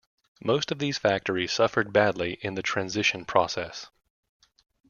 Most of these factories suffered badly in the transition process.